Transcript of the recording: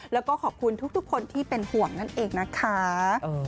แล้วก็ขอบคุณทุกคนที่เป็นห่วงนั่นเองนะคะ